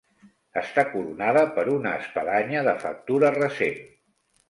Està coronada per una espadanya de factura recent.